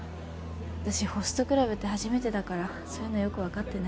私ホストクラブって初めてだからそういうのよく分かってないし。